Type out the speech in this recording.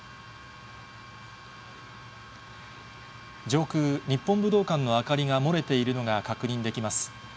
上空、日本武道館の明かりが漏れているのが確認できます。